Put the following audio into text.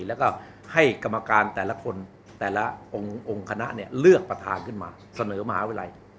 แล้วก็ให้กรรมการแต่ละคนแต่ละองค์คณะเลือกประธานขึ้นมาเสนอมหาวิทยาลัย